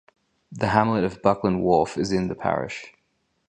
The hamlet of Buckland Wharf is in the parish.